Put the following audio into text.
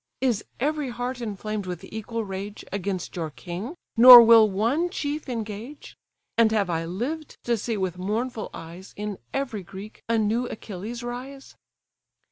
Is every heart inflamed with equal rage Against your king, nor will one chief engage? And have I lived to see with mournful eyes In every Greek a new Achilles rise?"